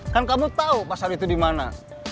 kan kamu tahu pasar itu dimana